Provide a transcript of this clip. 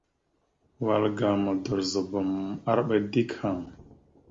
Wal ga Modorəzobom arɓa dik haŋ.